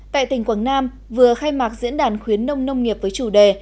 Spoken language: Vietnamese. tại tỉnh quảng nam vừa khai mạc diễn đàn khuyến nông nông nghiệp với chủ đề